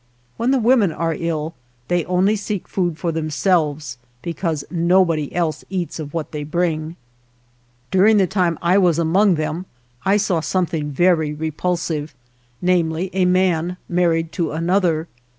When the women are ill they only seek food for themselves, because nobody else eats of what they bring. 34 During the time I was among them I saw something very repulsive, namely, a man married to another.